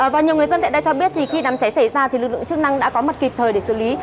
và nhiều người dân tại đây cho biết khi đám cháy xảy ra lực lượng chức năng đã có mặt kịp thời để xử lý